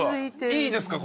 いいですか？